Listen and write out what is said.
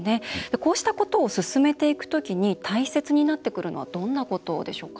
こうしたことを進めていくときに大切になってくるのはどういったことでしょうか。